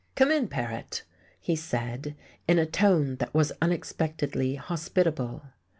"Come in, Paret," he said, in a tone that was unexpectedly hospitable.